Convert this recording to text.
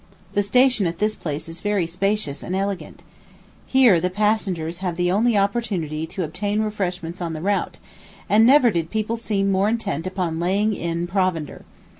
The station at this place is very spacious and elegant. Here the passengers have the only opportunity to obtain refreshments on the route; and never did people seem more intent upon laying in provender.